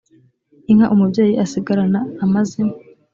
inka umubyeyi asigarana amaze